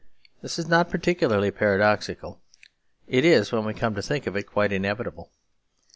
This is not particularly paradoxical; it is, when we come to think of it, quite inevitable.